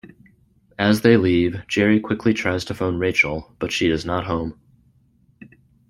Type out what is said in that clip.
As they leave, Jerry quickly tries to phone Rachel, but she is not home.